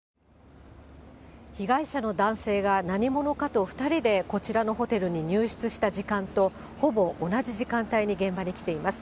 被害者の男性が、何者かと２人でこちらのホテルに入室した時間と、ほぼ同じ時間帯の現場に来ています。